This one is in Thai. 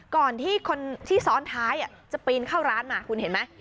ก่อนที่คนที่ซ้อนท้ายจะปีนเข้าร้านมาคุณเห็นไหม